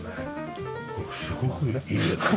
すごくいい絵だね。